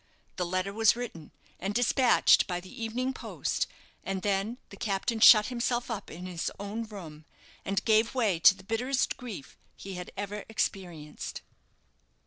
The letter was written, and despatched by the evening post, and then the captain shut himself up in his own room, and gave way to the bitterest grief he had ever experienced.